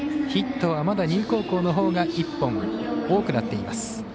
ヒットは、まだ丹生高校のほうが１本多くなっています。